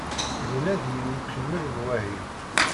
Din ad d-yili ukemmel n wahil.